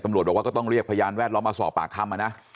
บอกว่าก็ต้องเรียกพยานแวดล้อมมาสอบปากคำนะ